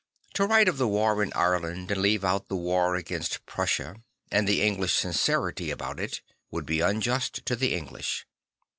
To write of the war in Ireland and leave out the war against Prussia, and the English sincerity a bout it, would be unjust to the English.